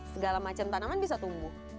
segala macam tanaman bisa tumbuh